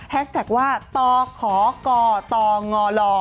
แฮชแท็กว่าต่อขอก่อต่อง่อหล่อ